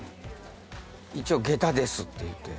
一応下駄ですって言うて。